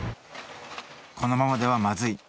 このままではまずい。